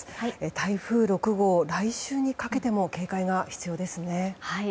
台風６号、来週にかけても警戒が必要ですね。